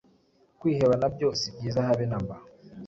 Kwiheba nabyo sibyiza habe namba